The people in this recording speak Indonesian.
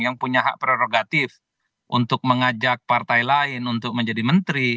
yang punya hak prerogatif untuk mengajak partai lain untuk menjadi menteri